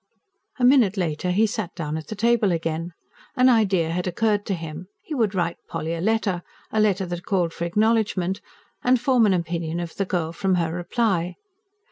A minute later he sat down at the table again. An idea had occurred to him: he would write Polly a letter a letter that called for acknowledgment and form an opinion of the girl from her reply.